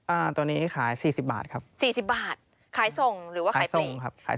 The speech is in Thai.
อ่าตัวนี้ขายสี่สิบบาทครับสี่สิบบาทขายส่งหรือว่าขายส่งครับขาย